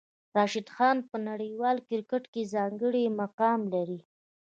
راشد خان په نړیوال کرکټ کې ځانګړی مقام لري.